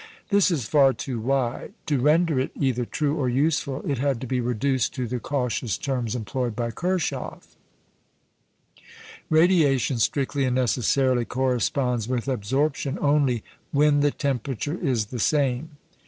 This is far too wide. To render it either true or useful, it had to be reduced to the cautious terms employed by Kirchhoff. Radiation strictly and necessarily corresponds with absorption only when the temperature is the same.